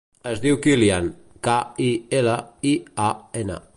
Es diu Kilian: ca, i, ela, i, a, ena.